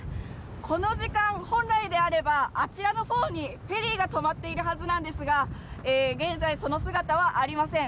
この時間、本来であればあちらのほうにフェリーが止まっているはずなんですが現在、その姿はありません。